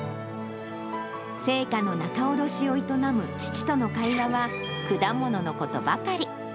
青果の仲卸を営む父との会話は、果物のことばかり。